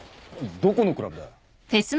どこのクラブだ？